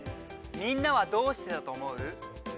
みんなはどうしてだと思う？